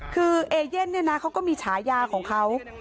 คือเอเย่นเนี่ยนะเขาก็มีฉายาของเขา